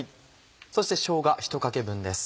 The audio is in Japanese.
そしてしょうがひとかけ分です。